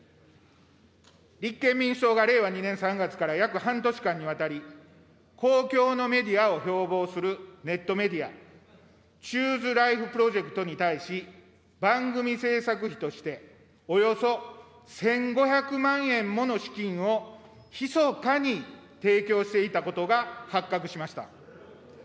立憲民主党が令和２年３月から、約半年間にわたり、公共のメディアを標ぼうするネットメディア、ＣｈｏｏｓｅＬｉｆｅＰｒｏｊｅｃｔに対し、番組制作費として、およそ１５００万円もの資金をひそかに提供していたことが発覚しました。